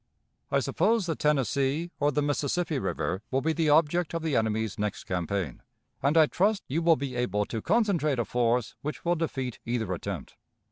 I suppose the Tennessee or the Mississippi River will be the object of the enemy's next campaign, and I trust you will be able to concentrate a force which will defeat either attempt.